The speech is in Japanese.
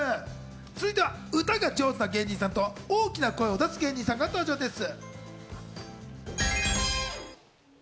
続いては歌が上手な芸人さんと大きな声を出す芸人さんが登場です。